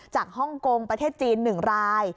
ฮ่องกงประเทศจีน๑ราย